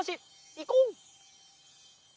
いこう！